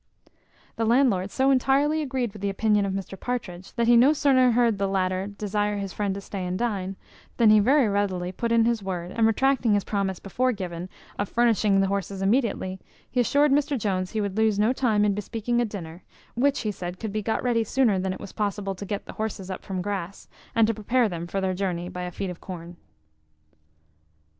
The landlord so entirely agreed with the opinion of Mr Partridge, that he no sooner heard the latter desire his friend to stay and dine, than he very readily put in his word, and retracting his promise before given of furnishing the horses immediately, he assured Mr Jones he would lose no time in bespeaking a dinner, which, he said, could be got ready sooner than it was possible to get the horses up from grass, and to prepare them for their journey by a feed of corn.